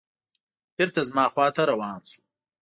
بېرته زما خواته روان شو.